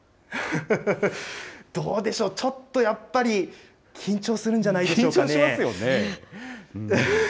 どうでしょう、ちょっとやっぱり緊張するんじゃないでしょうかね。